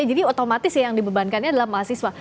jadi otomatis ya yang dibebankannya adalah mahasiswa